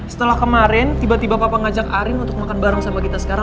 setelah kemarin tiba tiba papa ngajak arim untuk makan makanan rara